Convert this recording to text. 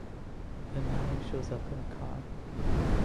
Then Manny shows up in a car.